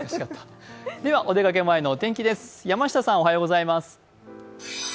お出かけ前のお天気です。